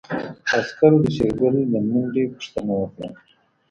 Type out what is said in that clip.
عسکرو د شېرګل د منډې پوښتنه وکړه.